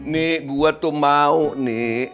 nih gue tuh mau nih